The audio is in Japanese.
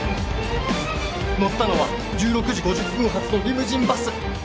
乗ったのは１６時５０分発のリムジンバス